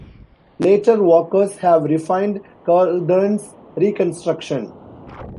Later workers have refined Karlgren's reconstruction.